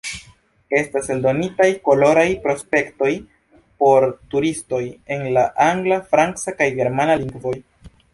Estas eldonitaj koloraj prospektoj por turistoj en la angla, franca kaj germana lingvoj.